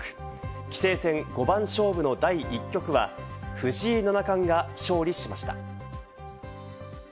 棋聖戦五番勝負の第１局は藤井七冠が勝利しました。